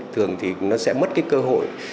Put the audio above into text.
thường thì nó sẽ mất cái cơ hội